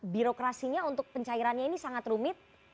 birokrasinya untuk pencairannya ini sangat rumit